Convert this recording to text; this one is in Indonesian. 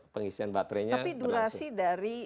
pengisian baterainya tapi durasi dari